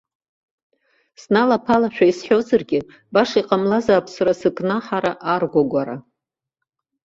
Сналаԥалашәа исҳәозаргьы, баша иҟамлазаап сара сыкнаҳара аргәагәара.